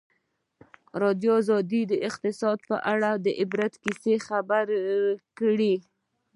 ازادي راډیو د اقتصاد په اړه د عبرت کیسې خبر کړي.